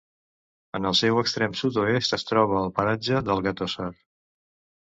En el seu extrem sud-oest es troba el paratge del Gatosar.